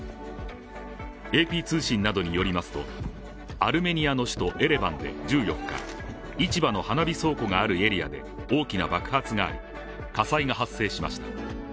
ＡＰ通信などによりますと、アルメニアの首都エレバンで１４日、市場の花火倉庫があるエリアで大きな爆発があり火災が発生しました。